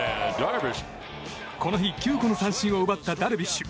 この日、９個の三振を奪ったダルビッシュ。